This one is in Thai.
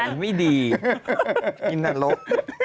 สัยไม่ดีอินอรก